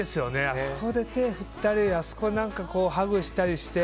あそこで手を振ったりあそこでハグしたりして。